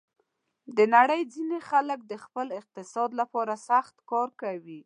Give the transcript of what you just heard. د نړۍ ځینې خلک د خپل اقتصاد لپاره سخت کار کوي.